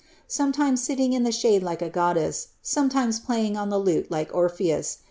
Sometimes sitting in the shade like a goddeaa, sometimea inig on the hite like Orpheus.